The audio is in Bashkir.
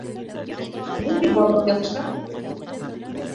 Ниндәй балыҡ яҡшы?